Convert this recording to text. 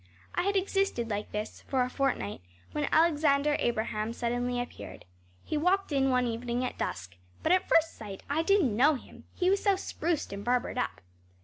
I had existed like this for a fortnight when Alexander Abraham suddenly appeared. He walked in one evening at dusk, but at first sight I didn’t know him he was so spruced and barbered up.